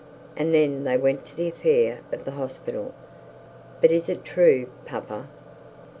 And then they went to the affair of the hospital. 'But is it true, papa?'